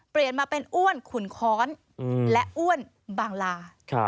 เปลี่ยนมาเป็นอ้วนขุนค้อนและอ้วนบางลา